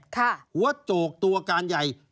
หัวโจกตัวการใหญ่